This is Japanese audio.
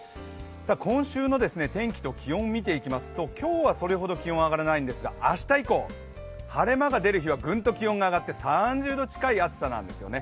今週の天気と気温を見ていきますと今日はそれほど気温は上がらないんですが明日以降、晴れ間が出る日はグンと気温が上がって３０度近い暑さなんですよね